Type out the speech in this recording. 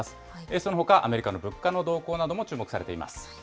そのほか、アメリカの物価の動向なども注目されています。